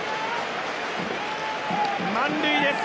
満塁です。